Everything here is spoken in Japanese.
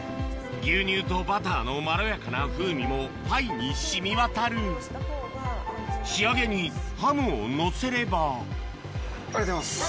牛乳とバターのまろやかな風味もパイに染み渡る仕上げにハムをのせればありがとうございます。